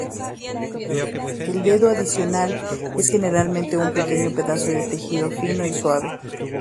El dedo adicional es generalmente un pequeño pedazo de tejido fino y suave.